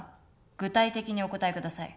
具体的にお答えください。